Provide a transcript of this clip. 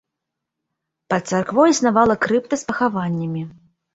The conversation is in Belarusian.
Пад царквой існавала крыпта з пахаваннямі.